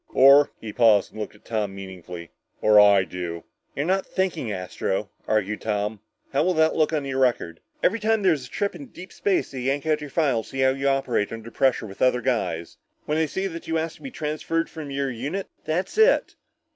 Or " he paused and looked at Tom meaningfully, "or I do." "You're not thinking, Astro," argued Tom. "How will that look on your record? Every time there's a trip into deep space, they yank out your file to see how you operate under pressure with other guys. When they see that you asked for a transfer from your unit, that's it!"